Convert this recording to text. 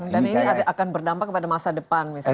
dan ini akan berdampak pada masa depan misalnya